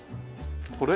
これ？